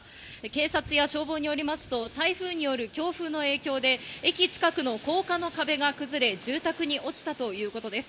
警察や消防によりますと、台風による強風の影響で駅近くの高架の壁が崩れ、住宅に落ちたということです。